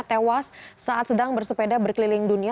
tewas saat sedang bersepeda berkeliling dunia